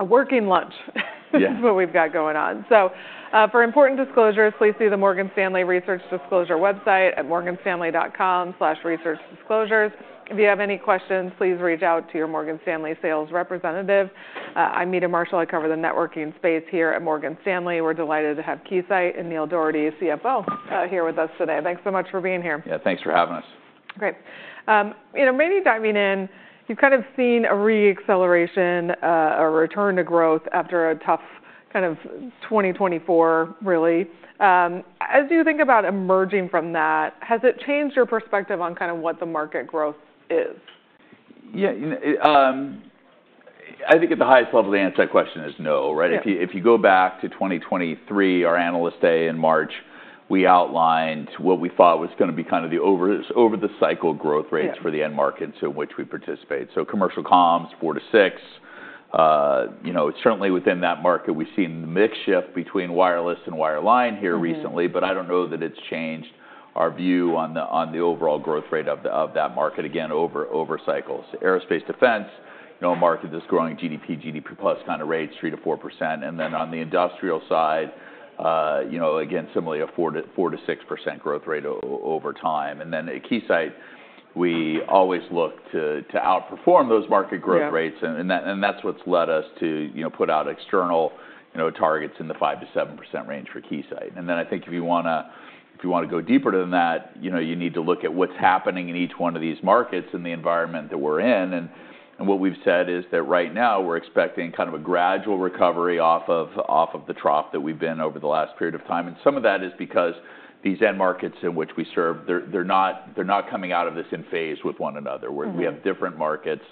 A working lunch. Yes. Is what we've got going on. So, for important disclosures, please see the Morgan Stanley Research Disclosure website at morganstanley.com/researchdisclosures. If you have any questions, please reach out to your Morgan Stanley sales representative. I'm Meta Marshall. I cover the networking space here at Morgan Stanley. We're delighted to have Keysight and Neil Dougherty, CFO, here with us today. Thanks so much for being here. Yeah, thanks for having us. Great. You know, maybe diving in, you've kind of seen a re-acceleration, a return to growth after a tough kind of 2024, really. As you think about emerging from that, has it changed your perspective on kind of what the market growth is? Yeah, I think at the highest level, the answer to that question is no, right? If you go back to 2023, our analyst day in March, we outlined what we thought was going to be kind of the over-the-cycle growth rates for the end markets in which we participate. So, commercial comms, 4-6%. You know, certainly within that market, we've seen the mix shift between wireless and wireline here recently, but I don't know that it's changed our view on the overall growth rate of that market, again, over cycles. Aerospace and defense, you know, a market that's growing GDP, GDP plus kind of rates, 3-4%. Then on the industrial side, you know, again, similarly, a 4-6% growth rate over time. Then at Keysight, we always look to outperform those market growth rates, and that's what's led us to put out external targets in the 5-7% range for Keysight. Then I think if you want to go deeper than that, you know, you need to look at what's happening in each one of these markets and the environment that we're in. What we've said is that right now we're expecting kind of a gradual recovery off of the trough that we've been over the last period of time. Some of that is because these end markets in which we serve, they're not coming out of this in phase with one another. We have different markets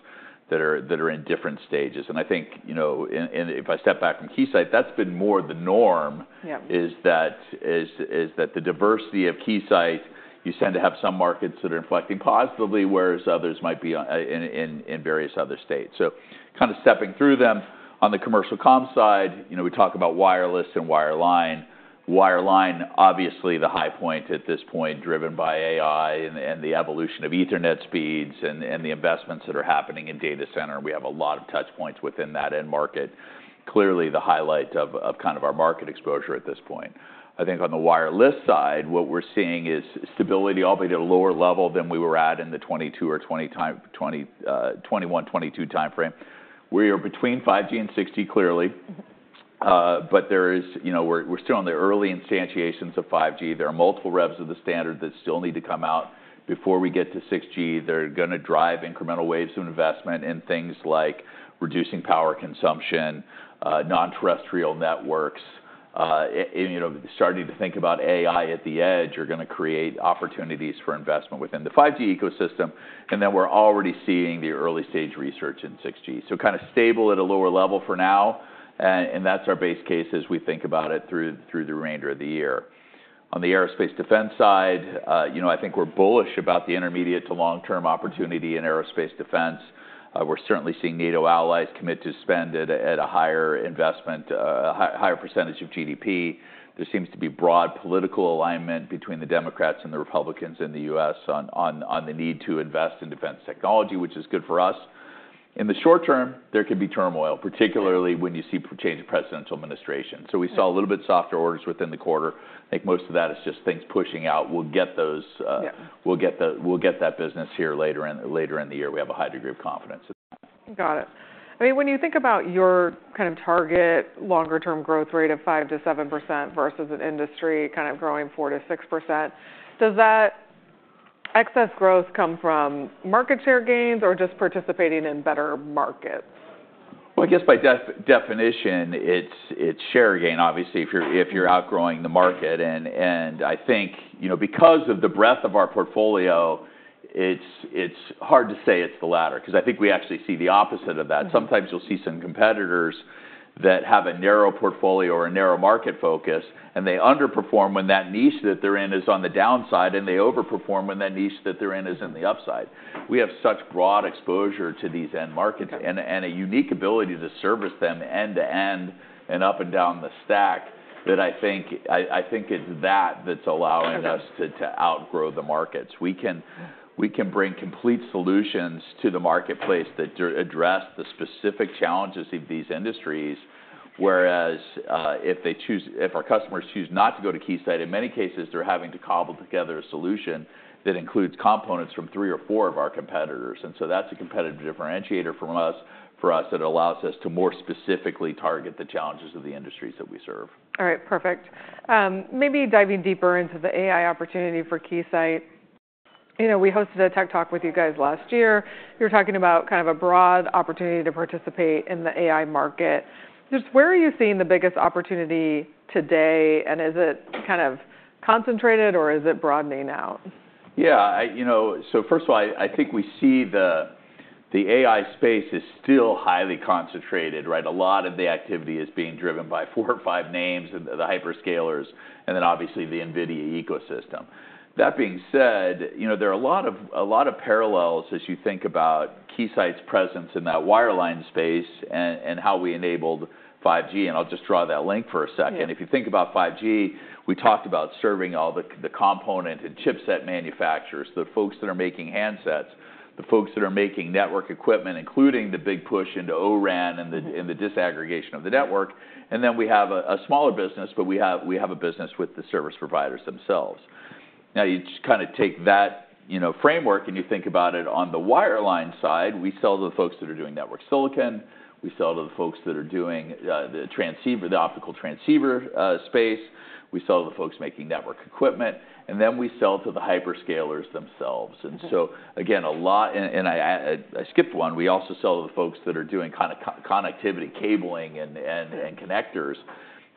that are in different stages. I think, you know, and if I step back from Keysight, that's been more the norm is that the diversity of Keysight. You tend to have some markets that are inflecting positively, whereas others might be in various other states. So, kind of stepping through them. On the commercial comm side, you know, we talk about wireless and wireline. Wireline, obviously the high point at this point, driven by AI and the evolution of Ethernet speeds and the investments that are happening in data center. We have a lot of touch points within that end market. Clearly, the highlight of kind of our market exposure at this point. I think on the wireless side, what we're seeing is stability, albeit at a lower level than we were at in the 2022 or 2021, 2022 timeframe. We are between 5G and 6G, clearly, but there is, you know, we're still in the early instantiations of 5G. There are multiple revs of the standard that still need to come out. Before we get to 6G, they're going to drive incremental waves of investment in things like reducing power consumption, non-terrestrial networks, you know, starting to think about AI at the edge are going to create opportunities for investment within the 5G ecosystem. Then we're already seeing the early stage research in 6G. So, kind of stable at a lower level for now, and that's our base case as we think about it through the remainder of the year. On the aerospace defense side, you know, I think we're bullish about the intermediate to long-term opportunity in aerospace defense. We're certainly seeing NATO allies commit to spend at a higher investment, a higher percentage of GDP. There seems to be broad political alignment between the Democrats and the Republicans in the U.S. on the need to invest in defense technology, which is good for us. In the short term, there could be turmoil, particularly when you see change in presidential administration. So, we saw a little bit softer orders within the quarter. I think most of that is just things pushing out. We'll get those. We'll get that business here later in the year. We have a high degree of confidence. Got it. I mean, when you think about your kind of target longer-term growth rate of 5%-7% versus an industry kind of growing 4%-6%, does that excess growth come from market share gains or just participating in better markets? I guess by definition, it's share gain, obviously, if you're outgrowing the market. I think, you know, because of the breadth of our portfolio, it's hard to say it's the latter, because I think we actually see the opposite of that. Sometimes you'll see some competitors that have a narrow portfolio or a narrow market focus, and they underperform when that niche that they're in is on the downside, and they overperform when that niche that they're in is in the upside. We have such broad exposure to these end markets and a unique ability to service them end-to-end and up and down the stack that I think it's that that's allowing us to outgrow the markets. We can bring complete solutions to the marketplace that address the specific challenges of these industries, whereas if our customers choose not to go to Keysight, in many cases, they're having to cobble together a solution that includes components from three or four of our competitors, and so that's a competitive differentiator for us that allows us to more specifically target the challenges of the industries that we serve. All right, perfect. Maybe diving deeper into the AI opportunity for Keysight. You know, we hosted a tech talk with you guys last year. You were talking about kind of a broad opportunity to participate in the AI market. Just where are you seeing the biggest opportunity today, and is it kind of concentrated or is it broadening out? Yeah, you know, so first of all, I think we see the AI space is still highly concentrated, right? A lot of the activity is being driven by four or five names and the hyperscalers, and then obviously the NVIDIA ecosystem. That being said, you know, there are a lot of parallels as you think about Keysight's presence in that wireline space and how we enabled 5G. I'll just draw that link for a second. If you think about 5G, we talked about serving all the component and chipset manufacturers, the folks that are making handsets, the folks that are making network equipment, including the big push into O-RAN and the disaggregation of the network. Then we have a smaller business, but we have a business with the service providers themselves. Now, you just kind of take that framework and you think about it. On the wireline side, we sell to the folks that are doing network silicon. We sell to the folks that are doing the optical transceiver space. We sell to the folks making network equipment, and then we sell to the hyperscalers themselves. Again, a lot, and I skipped one, we also sell to the folks that are doing kind of connectivity, cabling, and connectors.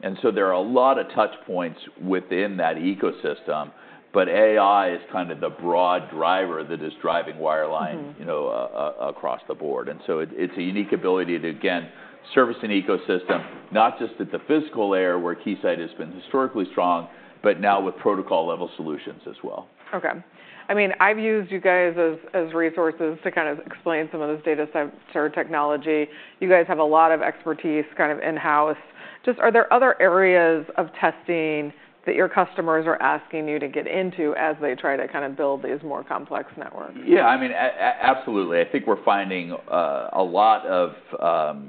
There are a lot of touch points within that ecosystem, but AI is kind of the broad driver that is driving wireline, you know, across the board. It's a unique ability to, again, service an ecosystem, not just at the physical layer where Keysight has been historically strong, but now with protocol-level solutions as well. Okay. I mean, I've used you guys as resources to kind of explain some of this data center technology. You guys have a lot of expertise kind of in-house. Just are there other areas of testing that your customers are asking you to get into as they try to kind of build these more complex networks? Yeah, I mean, absolutely. I think we're finding a lot of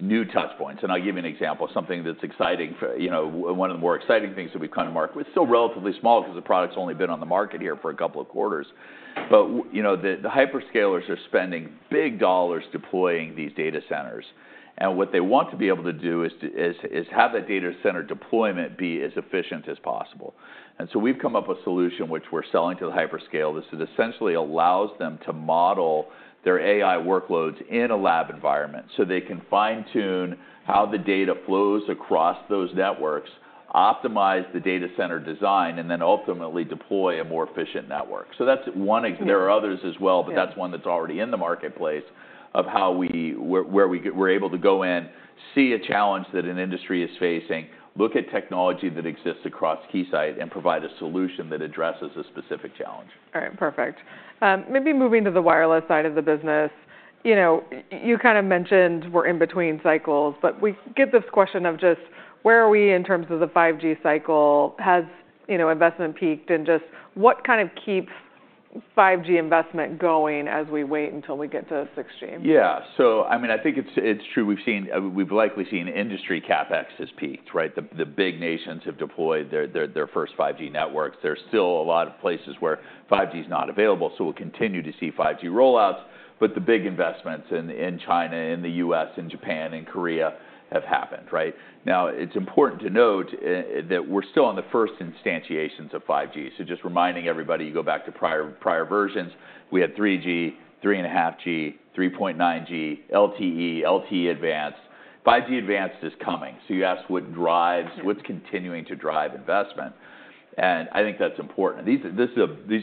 new touch points. I'll give you an example, something that's exciting, you know, one of the more exciting things that we've kind of marked. It's still relatively small because the product's only been on the market here for a couple of quarters. You know, the hyperscalers are spending big dollars deploying these data centers. What they want to be able to do is have that data center deployment be as efficient as possible. We've come up with a solution which we're selling to the hyperscalers that essentially allows them to model their AI workloads in a lab environment so they can fine-tune how the data flows across those networks, optimize the data center design, and then ultimately deploy a more efficient network. So that's one example. There are others as well, but that's one that's already in the marketplace of how we're able to go in, see a challenge that an industry is facing, look at technology that exists across Keysight, and provide a solution that addresses a specific challenge. All right, perfect. Maybe moving to the wireless side of the business, you know, you kind of mentioned we're in between cycles, but we get this question of just where are we in terms of the 5G cycle? Has, you know, investment peaked? Just what kind of keeps 5G investment going as we wait until we get to 6G? Yeah, so I mean, I think it's true. We've likely seen industry CapEx has peaked, right? The big nations have deployed their first 5G networks. There's still a lot of places where 5G is not available, so we'll continue to see 5G rollouts. The big investments in China, in the U.S., in Japan, in Korea have happened, right? Now, it's important to note that we're still on the first instantiations of 5G. So just reminding everybody, you go back to prior versions, we had 3G, 3.5G, 3.9G, LTE, LTE Advanced. 5G Advanced is coming. So you ask what drives, what's continuing to drive investment. I think that's important. These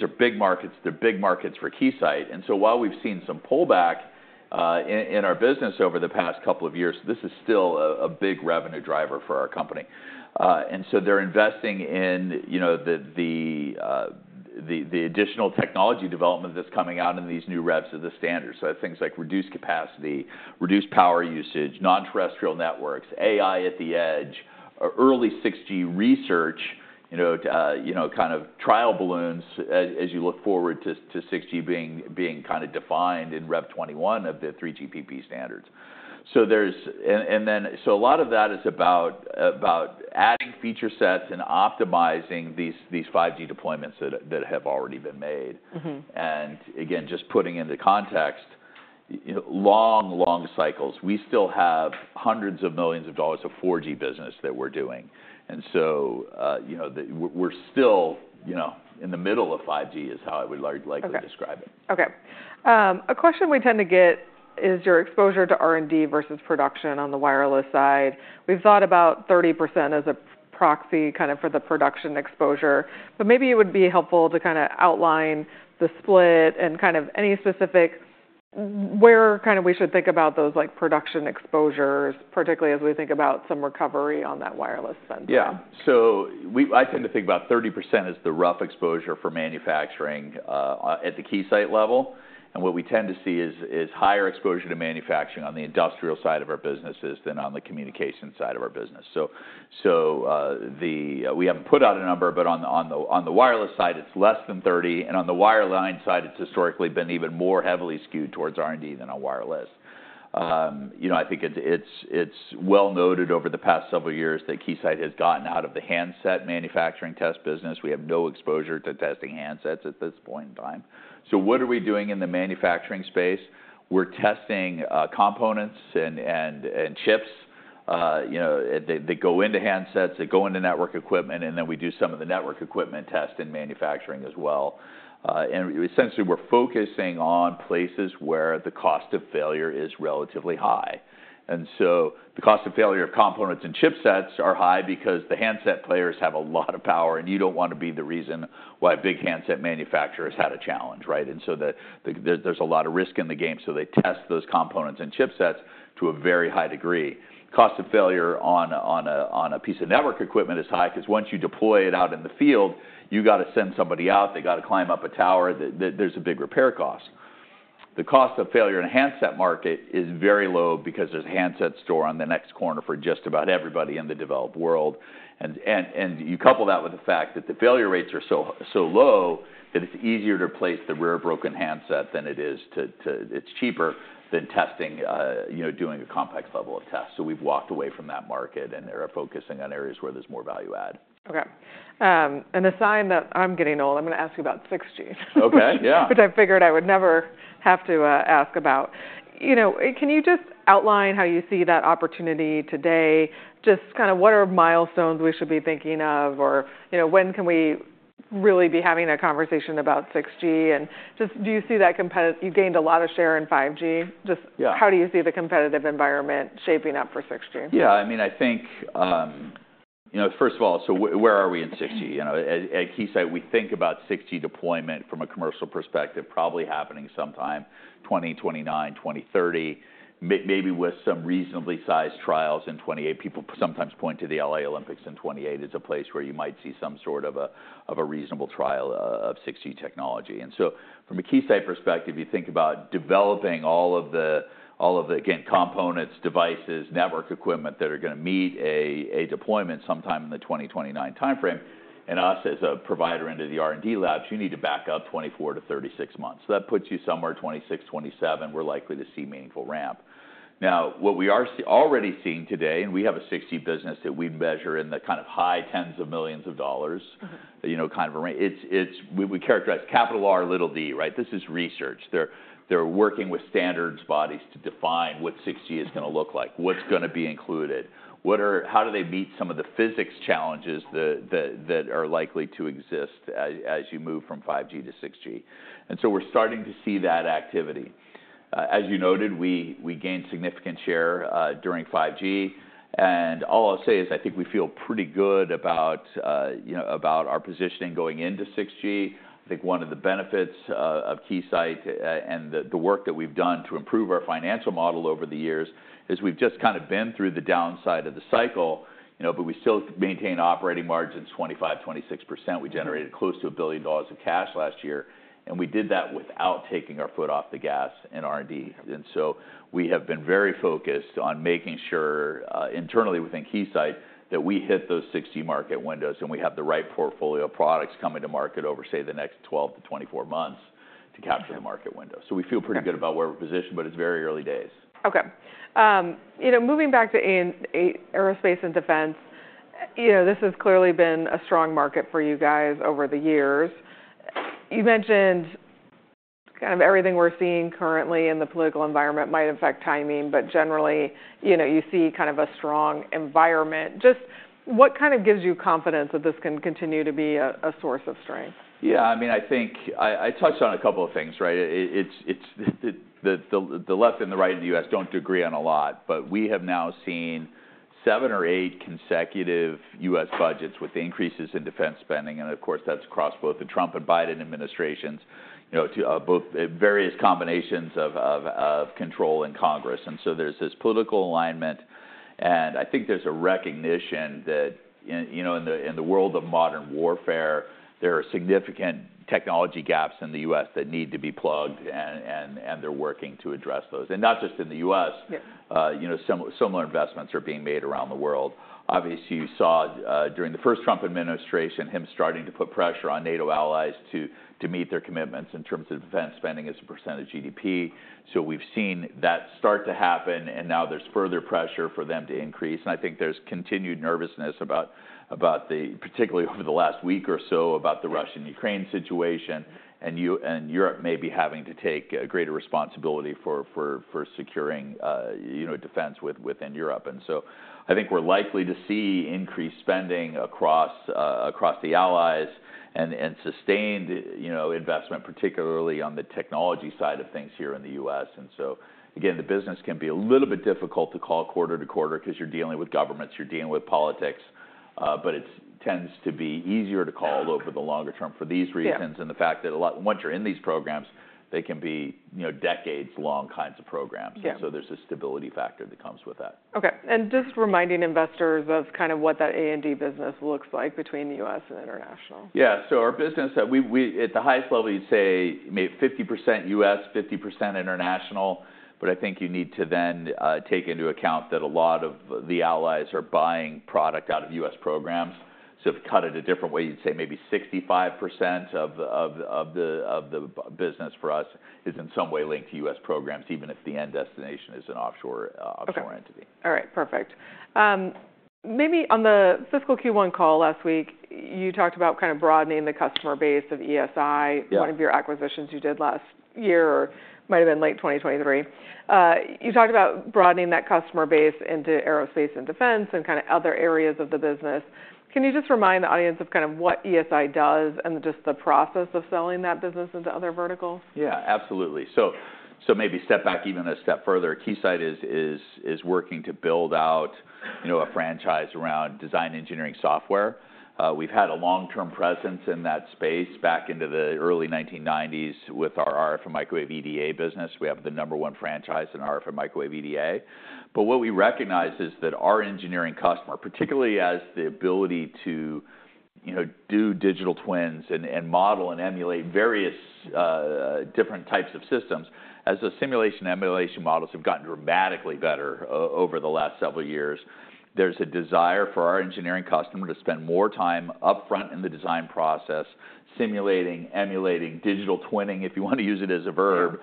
are big markets. They're big markets for Keysight. While we've seen some pullback in our business over the past couple of years, this is still a big revenue driver for our company. They're investing in, you know, the additional technology development that's coming out in these new revs of the standard. So things like Reduced Capability, reduced power usage, non-terrestrial networks, AI at the edge, early 6G research, you know, kind of trial balloons as you look forward to 6G being kind of defined in rev 21 of the 3GPP standards. So there's a lot of that is about adding feature sets and optimizing these 5G deployments that have already been made. Again, just putting into context, you know, long, long cycles. We still have hundreds of millions of dollars of 4G business that we're doing. You know, we're still, you know, in the middle of 5G, is how I would likely describe it. Okay. A question we tend to get is your exposure to R&D versus production on the wireless side. We've thought about 30% as a proxy kind of for the production exposure, but maybe it would be helpful to kind of outline the split and kind of any specific where kind of we should think about those production exposures, particularly as we think about some recovery on that wireless spend. Yeah. So I tend to think about 30% as the rough exposure for manufacturing at the Keysight level. What we tend to see is higher exposure to manufacturing on the industrial side of our businesses than on the communication side of our business. So we haven't put out a number, but on the wireless side, it's less than 30%. On the wireline side, it's historically been even more heavily skewed towards R&D than on wireless. You know, I think it's well noted over the past several years that Keysight has gotten out of the handset manufacturing test business. We have no exposure to testing handsets at this point in time. So what are we doing in the manufacturing space? We're testing components and chips, you know, that go into handsets, that go into network equipment, and then we do some of the network equipment tests in manufacturing as well. Essentially, we're focusing on places where the cost of failure is relatively high. The cost of failure of components and chipsets are high because the handset players have a lot of power, and you don't want to be the reason why a big handset manufacturer has had a challenge, right? There's a lot of risk in the game, so they test those components and chipsets to a very high degree. Cost of failure on a piece of network equipment is high because once you deploy it out in the field, you got to send somebody out, they got to climb up a tower, there's a big repair cost. The cost of failure in a handset market is very low because there's a handset store on the next corner for just about everybody in the developed world. You couple that with the fact that the failure rates are so low that it's easier to replace the rare broken handset than it is, it's cheaper than testing, you know, doing a complex level of test. So we've walked away from that market, and they're focusing on areas where there's more value add. Okay. A sign that I'm getting old, I'm going to ask you about 6G, which I figured I would never have to ask about. You know, can you just outline how you see that opportunity today? Just kind of what are milestones we should be thinking of, or, you know, when can we really be having that conversation about 6G? Just do you see that competitive? You gained a lot of share in 5G. Just how do you see the competitive environment shaping up for 6G? Yeah, I mean, I think, you know, first of all, so where are we in 6G? You know, at Keysight, we think about 6G deployment from a commercial perspective probably happening sometime 2029, 2030, maybe with some reasonably sized trials in 2028. People sometimes point to the LA Olympics in 2028 as a place where you might see some sort of a reasonable trial of 6G technology. From a Keysight perspective, you think about developing all of the, again, components, devices, network equipment that are going to meet a deployment sometime in the 2029 timeframe. Us as a provider into the R&D labs, you need to back up 24 to 36 months. So that puts you somewhere 2026, 2027, we're likely to see meaningful ramp. Now, what we are already seeing today, and we have a 6G business that we measure in the kind of high tens of millions of dollars, you know, kind of a range. It's, we characterize capital R, little d, right? This is research. They're working with standards bodies to define what 6G is going to look like, what's going to be included, what are, how do they meet some of the physics challenges that are likely to exist as you move from 5G to 6G. We're starting to see that activity. As you noted, we gained significant share during 5G. All I'll say is I think we feel pretty good about, you know, about our positioning going into 6G. I think one of the benefits of Keysight and the work that we've done to improve our financial model over the years is we've just kind of been through the downside of the cycle, you know, but we still maintain operating margins 25%-26%. We generated close to $1 billion of cash last year, and we did that without taking our foot off the gas in R&D. We have been very focused on making sure internally within Keysight that we hit those 6G market windows and we have the right portfolio of products coming to market over, say, the next 12 to 24 months to capture the market window. So we feel pretty good about where we're positioned, but it's very early days. Okay. You know, moving back to aerospace and defense, you know, this has clearly been a strong market for you guys over the years. You mentioned kind of everything we're seeing currently in the political environment might affect timing, but generally, you know, you see kind of a strong environment. Just what kind of gives you confidence that this can continue to be a source of strength? Yeah, I mean, I think I touched on a couple of things, right? The left and the right in the U.S. don't agree on a lot, but we have now seen seven or eight consecutive U.S. budgets with increases in defense spending. Of course, that's across both the Trump and Biden administrations, you know, both various combinations of control in Congress. There's this political alignment, and I think there's a recognition that, you know, in the world of modern warfare, there are significant technology gaps in the U.S. that need to be plugged, and they're working to address those. Not just in the U.S., you know, similar investments are being made around the world. Obviously, you saw during the first Trump administration, him starting to put pressure on NATO allies to meet their commitments in terms of defense spending as a % of GDP. So we've seen that start to happen, and now there's further pressure for them to increase. I think there's continued nervousness about the, particularly over the last week or so, about the Russia-Ukraine situation, and Europe may be having to take greater responsibility for securing, you know, defense within Europe. I think we're likely to see increased spending across the allies and sustained, you know, investment, particularly on the technology side of things here in the U.S. Again, the business can be a little bit difficult to call quarter to quarter because you're dealing with governments, you're dealing with politics, but it tends to be easier to call over the longer term for these reasons and the fact that once you're in these programs, they can be, you know, decades long kinds of programs. There's a stability factor that comes with that. Okay, and just reminding investors of kind of what that A&D business looks like between the U.S. and international. Yeah, so our business at the highest level, you'd say maybe 50% U.S., 50% international, but I think you need to then take into account that a lot of the allies are buying product out of U.S. programs, so if you cut it a different way, you'd say maybe 65% of the business for us is in some way linked to U.S. programs, even if the end destination is an offshore entity. All right. Perfect. Maybe on the fiscal Q1 call last week, you talked about kind of broadening the customer base of ESI, one of your acquisitions you did last year, might have been late 2023. You talked about broadening that customer base into aerospace and defense and kind of other areas of the business. Can you just remind the audience of kind of what ESI does and just the process of selling that business into other verticals? Yeah, absolutely. So maybe step back even a step further. Keysight is working to build out, you know, a franchise around design engineering software. We've had a long-term presence in that space back into the early 1990s with our RF and microwave EDA business. We have the number one franchise in RF and microwave EDA. What we recognize is that our engineering customer, particularly as the ability to, you know, do digital twins and model and emulate various different types of systems, as the simulation and emulation models have gotten dramatically better over the last several years, there's a desire for our engineering customer to spend more time upfront in the design process, simulating, emulating, digital twinning, if you want to use it as a verb,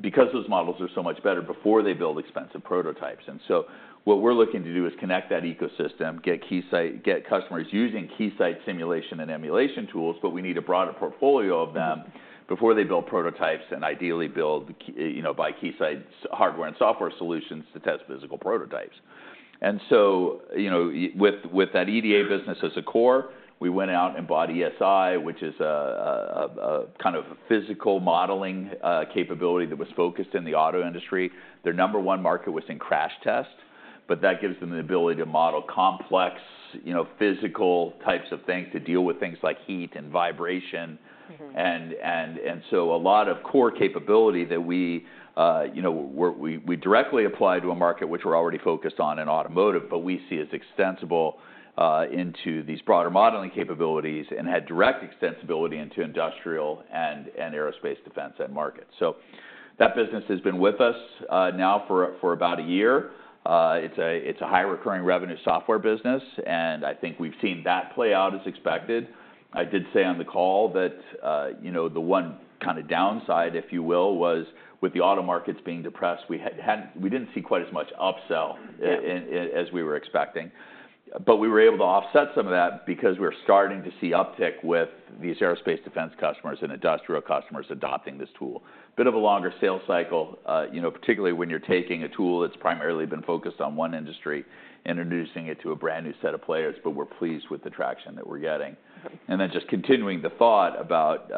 because those models are so much better before they build expensive prototypes. What we're looking to do is connect that ecosystem, get Keysight, get customers using Keysight simulation and emulation tools, but we need a broader portfolio of them before they build prototypes and ideally build, you know, buy Keysight hardware and software solutions to test physical prototypes. You know, with that EDA business as a core, we went out and bought ESI, which is a kind of physical modeling capability that was focused in the auto industry. Their number one market was in crash tests, but that gives them the ability to model complex, you know, physical types of things to deal with things like heat and vibration. A lot of core capability that we, you know, we directly apply to a market which we're already focused on in automotive, but we see as extensible into these broader modeling capabilities and had direct extensibility into industrial and aerospace defense and market. So that business has been with us now for about a year. It's a high recurring revenue software business, and I think we've seen that play out as expected. I did say on the call that, you know, the one kind of downside, if you will, was with the auto markets being depressed. We didn't see quite as much upsell as we were expecting. We were able to offset some of that because we're starting to see uptick with these aerospace defense customers and industrial customers adopting this tool. Bit of a longer sales cycle, you know, particularly when you're taking a tool that's primarily been focused on one industry and introducing it to a brand new set of players, but we're pleased with the traction that we're getting. Then just continuing the thought about,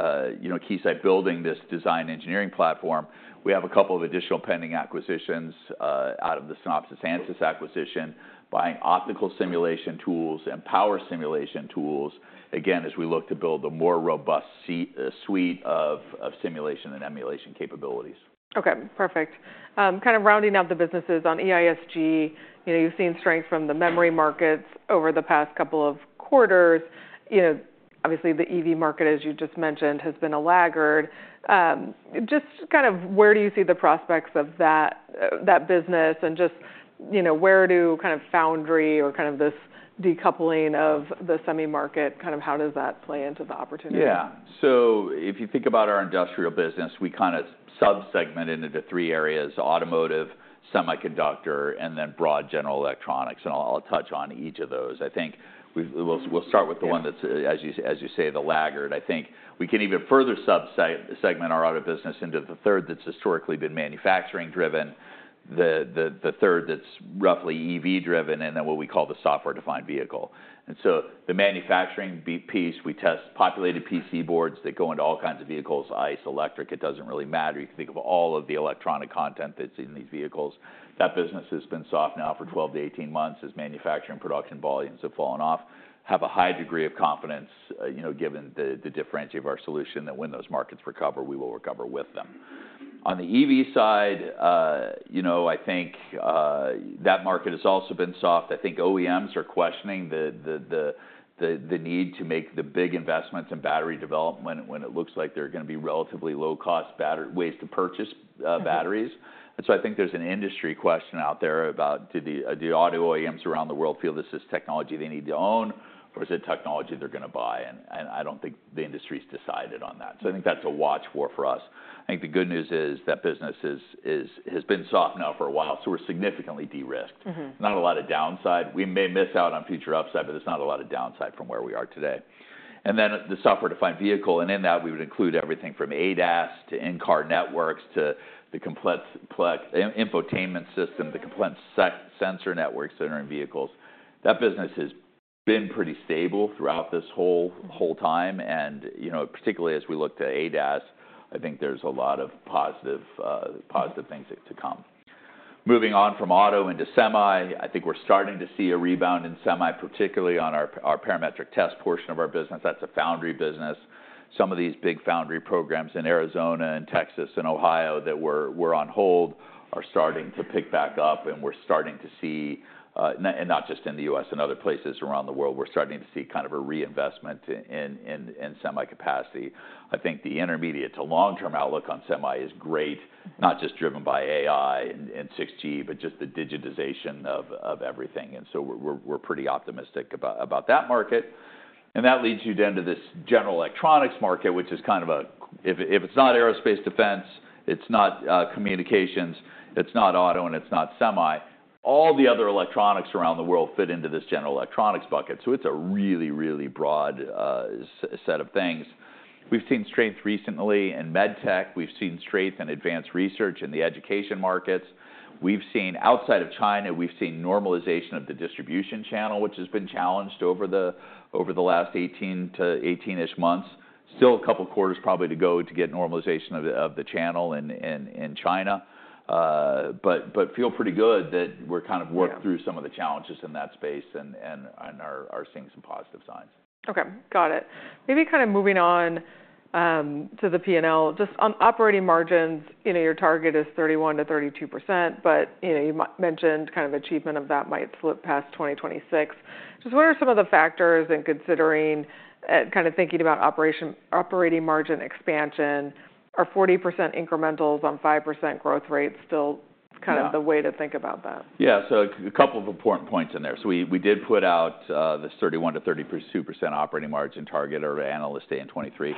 you know, Keysight building this design engineering platform, we have a couple of additional pending acquisitions out of the Synopsys Ansys acquisition, buying optical simulation tools and power simulation tools, again, as we look to build a more robust suite of simulation and emulation capabilities. Okay. Perfect. Kind of rounding out the businesses on ESI, you know, you've seen strength from the memory markets over the past couple of quarters. You know, obviously the EV market, as you just mentioned, has been a laggard. Just kind of where do you see the prospects of that business and just, you know, where do kind of foundry or kind of this decoupling of the semi-market, kind of how does that play into the opportunity? Yeah. So if you think about our industrial business, we kind of subsegment into three areas: automotive, semiconductor, and then broad general electronics. I'll touch on each of those. I think we'll start with the one that's, as you say, the laggard. I think we can even further subsegment our auto business into the third that's historically been manufacturing driven, the third that's roughly EV driven, and then what we call the software-defined vehicle. The manufacturing piece, we test populated PC boards that go into all kinds of vehicles, ICE, electric, it doesn't really matter. You can think of all of the electronic content that's in these vehicles. That business has been soft now for 12-18 months as manufacturing production volumes have fallen off. We have a high degree of confidence, you know, given the differentiation of our solution that when those markets recover, we will recover with them. On the EV side, you know, I think that market has also been soft. I think OEMs are questioning the need to make the big investments in battery development when it looks like they're going to be relatively low-cost ways to purchase batteries. I think there's an industry question out there about do the auto OEMs around the world feel this is technology they need to own, or is it technology they're going to buy? I don't think the industry's decided on that. So I think that's a watch for us. I think the good news is that business has been soft now for a while, so we're significantly de-risked. Not a lot of downside. We may miss out on future upside, but there's not a lot of downside from where we are today, and then the software-defined vehicle, and in that we would include everything from ADAS to in-car networks to the complex infotainment system, the complex sensor networks that are in vehicles. That business has been pretty stable throughout this whole time, and, you know, particularly as we look to ADAS, I think there's a lot of positive things to come. Moving on from auto into semi, I think we're starting to see a rebound in semi, particularly on our parametric test portion of our business. That's a foundry business. Some of these big foundry programs in Arizona and Texas and Ohio that were on hold are starting to pick back up, and we're starting to see, and not just in the U.S., in other places around the world, we're starting to see kind of a reinvestment in semi capacity. I think the intermediate to long-term outlook on semi is great, not just driven by AI and 6G, but just the digitization of everything, so we're pretty optimistic about that market. That leads you down to this general electronics market, which is kind of a, if it's not aerospace defense, it's not communications, it's not auto, and it's not semi. All the other electronics around the world fit into this general electronics bucket. It's a really, really broad set of things. We've seen strength recently in med tech. We've seen strength in advanced research and the education markets. We've seen outside of China, we've seen normalization of the distribution channel, which has been challenged over the last 18 to 18-ish months. Still a couple of quarters probably to go to get normalization of the channel in China. Feel pretty good that we're kind of worked through some of the challenges in that space and are seeing some positive signs. Okay. Got it. Maybe kind of moving on to the P&L, just on operating margins, you know, your target is 31%-32%, but you mentioned kind of achievement of that might slip past 2026. Just what are some of the factors in considering, kind of thinking about operating margin expansion? Are 40% incrementals on 5% growth rates still kind of the way to think about that? Yeah. So a couple of important points in there. So we did put out this 31%-32% operating margin target at Analyst Day in 2023.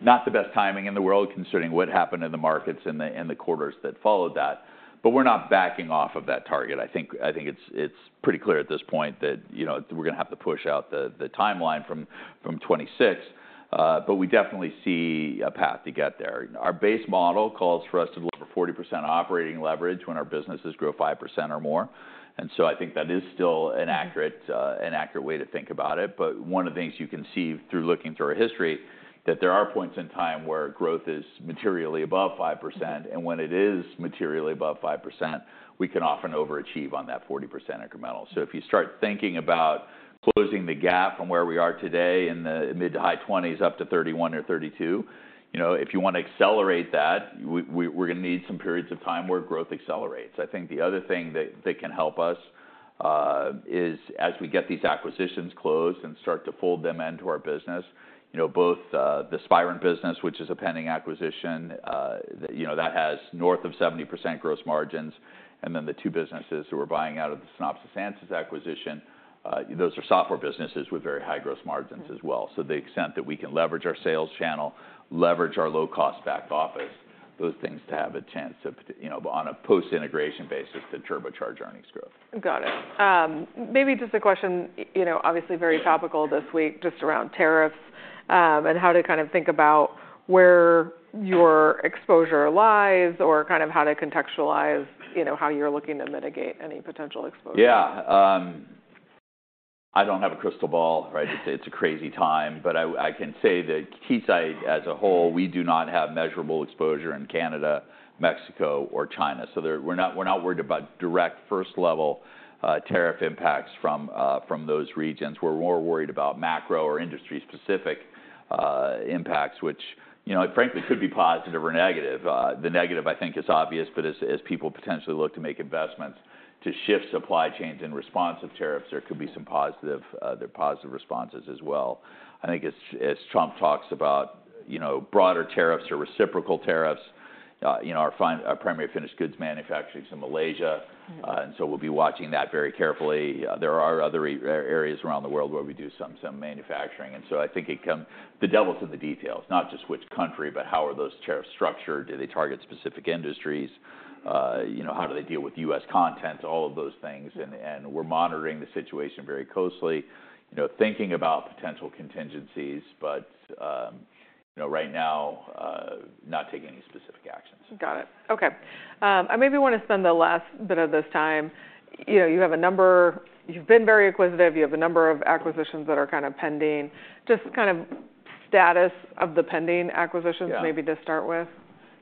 Not the best timing in the world considering what happened in the markets in the quarters that followed that. We're not backing off of that target. I think it's pretty clear at this point that, you know, we're going to have to push out the timeline from 2026, but we definitely see a path to get there. Our base model calls for us to deliver 40% operating leverage when our businesses grow 5% or more. I think that is still an accurate way to think about it. One of the things you can see through looking through our history that there are points in time where growth is materially above 5%, and when it is materially above 5%, we can often overachieve on that 40% incremental. So if you start thinking about closing the gap from where we are today in the mid to high 20s up to 31 or 32, you know, if you want to accelerate that, we're going to need some periods of time where growth accelerates. I think the other thing that can help us is as we get these acquisitions closed and start to fold them into our business, you know, both the Spirent business, which is a pending acquisition, you know, that has north of 70% gross margins, and then the two businesses that we're buying out of the Synopsys Ansys acquisition, those are software businesses with very high gross margins as well. So to the extent that we can leverage our sales channel, leverage our low-cost back office, those things to have a chance to, you know, on a post-integration basis to turbocharge earnings growth. Got it. Maybe just a question, you know, obviously very topical this week, just around tariffs and how to kind of think about where your exposure lies or kind of how to contextualize, you know, how you're looking to mitigate any potential exposure. Yeah. I don't have a crystal ball, right? It's a crazy time, but I can say that Keysight as a whole, we do not have measurable exposure in Canada, Mexico, or China. So we're not worried about direct first-level tariff impacts from those regions. We're more worried about macro or industry-specific impacts, which, you know, frankly could be positive or negative. The negative I think is obvious, but as people potentially look to make investments to shift supply chains in response to tariffs, there could be some positive responses as well. I think as Trump talks about, you know, broader tariffs or reciprocal tariffs, you know, our primary finished goods manufacturing is in Malaysia, and so we'll be watching that very carefully. There are other areas around the world where we do some manufacturing. I think it comes, the devil's in the details, not just which country, but how are those tariffs structured? Do they target specific industries? You know, how do they deal with U.S. content? All of those things. We're monitoring the situation very closely, you know, thinking about potential contingencies, but, you know, right now not taking any specific actions. Got it. Okay. I maybe want to spend the last bit of this time. You know, you have a number, you've been very acquisitive, you have a number of acquisitions that are kind of pending. Just kind of status of the pending acquisitions maybe to start with.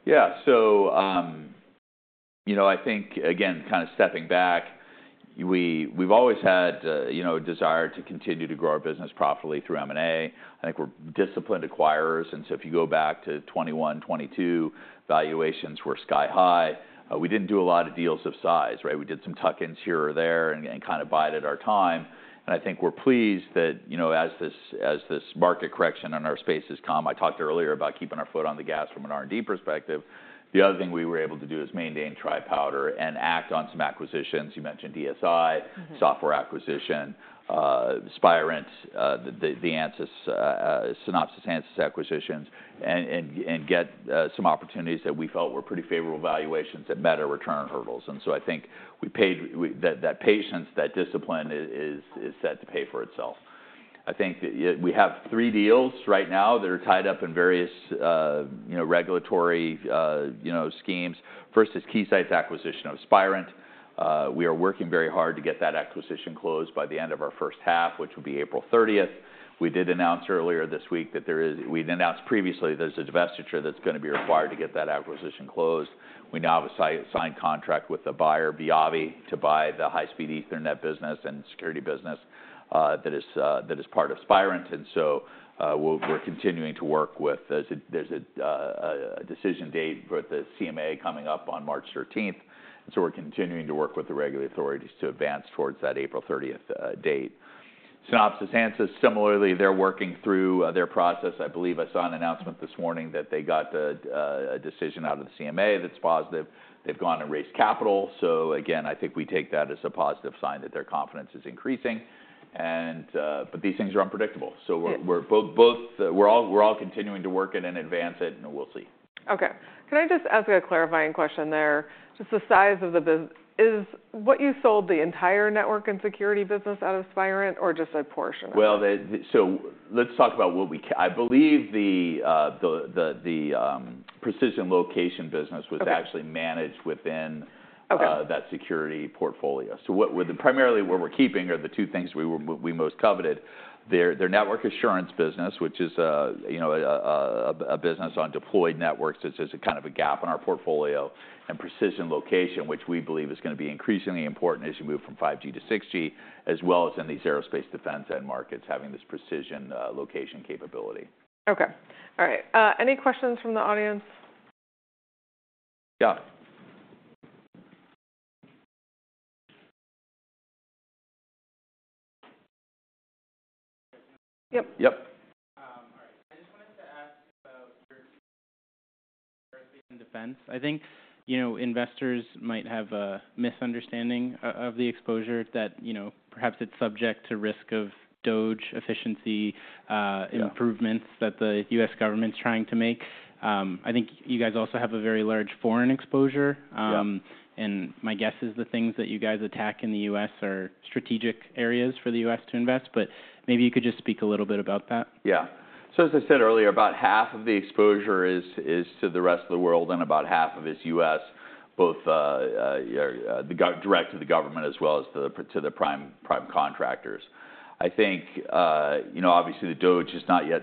Yeah. So, you know, I think, again, kind of stepping back, we've always had, you know, a desire to continue to grow our business properly through M&A. I think we're disciplined acquirers. If you go back to 2021, 2022, valuations were sky high. We didn't do a lot of deals of size, right? We did some tuck-ins here or there and kind of bided our time. I think we're pleased that, you know, as this market correction in our space has come, I talked earlier about keeping our foot on the gas from an R&D perspective. The other thing we were able to do is maintain dry powder and act on some acquisitions. You mentioned ESI, software acquisition, Spirent, the Ansys, Synopsys Ansys acquisitions, and get some opportunities that we felt were pretty favorable valuations that met our return hurdles. I think we paid that patience, that discipline is set to pay for itself. I think we have three deals right now that are tied up in various, you know, regulatory, you know, schemes. First is Keysight's acquisition of Spirent. We are working very hard to get that acquisition closed by the end of our first half, which will be April 30th. We did announce earlier this week that there is. We announced previously there's a divestiture that's going to be required to get that acquisition closed. We now have a signed contract with a buyer, Viavi, to buy the high-speed Ethernet business and security business that is part of Spirent. We're continuing to work with. There's a decision date with the CMA coming up on March 13th. We're continuing to work with the regulatory authorities to advance towards that April 30th date. Synopsys Ansys, similarly, they're working through their process. I believe I saw an announcement this morning that they got a decision out of the CMA that's positive. They've gone and raised capital, so again, I think we take that as a positive sign that their confidence is increasing, and but these things are unpredictable, so we're both, we're all continuing to work in and advance it, and we'll see. Okay. Can I just ask a clarifying question there? Just the size of the business, is what you sold the entire network and security business out of Spirent or just a portion of it? Let's talk about what we, I believe, the precision location business was actually managed within that security portfolio. What we're primarily keeping are the two things we most coveted. Their network assurance business, which is, you know, a business on deployed networks that's just a kind of a gap in our portfolio, and precision location, which we believe is going to be increasingly important as you move from 5G to 6G, as well as in these aerospace defense end markets, having this precision location capability. Okay. All right. Any questions from the audience? Yeah. Yep. Yep. All right. I just wanted to ask about defense. I think, you know, investors might have a misunderstanding of the exposure that, you know, perhaps it's subject to risk of DOGE efficiency improvements that the U.S. government's trying to make. I think you guys also have a very large foreign exposure. My guess is the things that you guys tackle in the U.S. are strategic areas for the U.S. to invest. Maybe you could just speak a little bit about that. Yeah. So as I said earlier, about half of the exposure is to the rest of the world and about half of it is U.S., both direct to the government as well as to the prime contractors. I think, you know, obviously the DOGE has not yet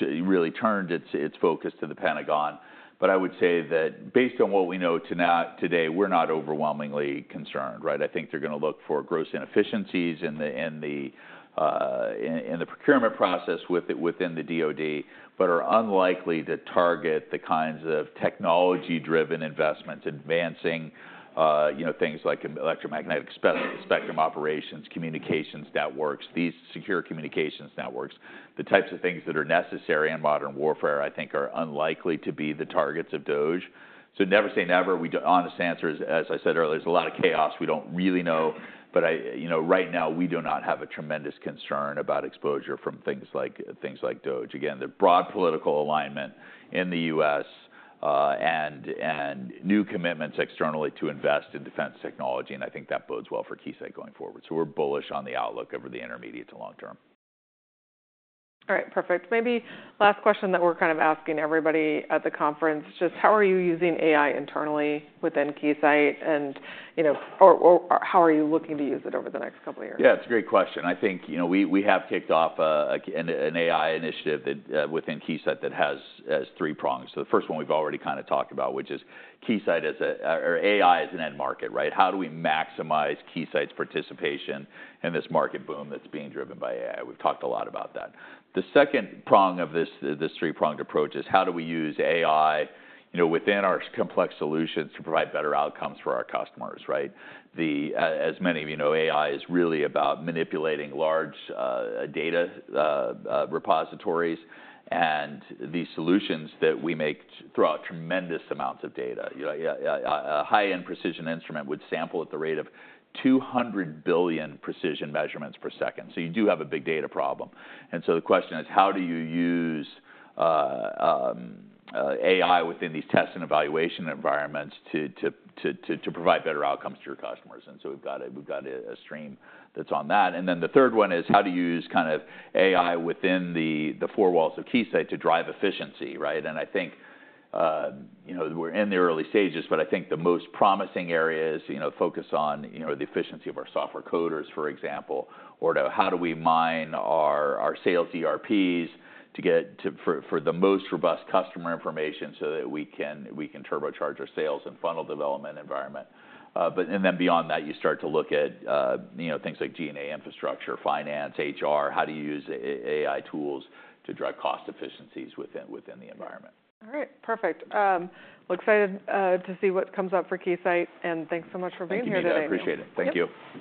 really turned its focus to the Pentagon. I would say that based on what we know today, we're not overwhelmingly concerned, right? I think they're going to look for gross inefficiencies in the procurement process within the DOD, but are unlikely to target the kinds of technology-driven investments advancing, you know, things like electromagnetic spectrum operations, communications networks, these secure communications networks. The types of things that are necessary in modern warfare, I think are unlikely to be the targets of DOGE. So never say never. We do, honest answer is, as I said earlier, there's a lot of chaos. We don't really know. I, you know, right now we do not have a tremendous concern about exposure from things like DOGE. Again, the broad political alignment in the U.S. and new commitments externally to invest in defense technology. I think that bodes well for Keysight going forward. So we're bullish on the outlook over the intermediate to long term. All right. Perfect. Maybe last question that we're kind of asking everybody at the conference, just how are you using AI internally within Keysight and, you know, or how are you looking to use it over the next couple of years? Yeah, it's a great question. I think, you know, we have kicked off an AI initiative within Keysight that has three prongs. So the first one we've already kind of talked about, which is Keysight as an AI as an end market, right? How do we maximize Keysight's participation in this market boom that's being driven by AI? We've talked a lot about that. The second prong of this three-pronged approach is how do we use AI, you know, within our complex solutions to provide better outcomes for our customers, right? As many of you know, AI is really about manipulating large data repositories and the solutions that we make throughout tremendous amounts of data. A high-end precision instrument would sample at the rate of 200 billion precision measurements per second. So you do have a big data problem. The question is, how do you use AI within these test and evaluation environments to provide better outcomes to your customers? We've got a stream that's on that. The third one is how to use kind of AI within the four walls of Keysight to drive efficiency, right? I think, you know, we're in the early stages, but I think the most promising areas, you know, focus on, you know, the efficiency of our software coders, for example, or how do we mine our sales ERPs to get for the most robust customer information so that we can turbocharge our sales and funnel development environment. Beyond that, you start to look at, you know, things like G&A infrastructure, finance, HR, how do you use AI tools to drive cost efficiencies within the environment. All right. Perfect. We're excited to see what comes up for Keysight. Thanks so much for being here today. Thank you. I appreciate it. Thank you.